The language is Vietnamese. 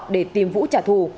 để tìm vũ trả thù